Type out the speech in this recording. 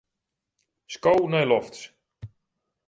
Sko nei lofts.